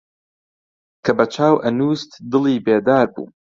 کە بە چاو ئەنووست دڵی بێدار بوو